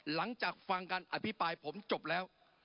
หลังจากฟังการอภิปรายผมจบแล้ว